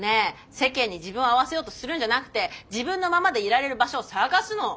世間に自分を合わせようとするんじゃなくて自分のままでいられる場所を探すの。